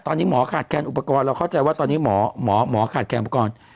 ตอนนี้หมอขาดแนนอุปกรณ์เราเข้าใจว่าตอนนี้หมอขาดแนนอุปกรณ์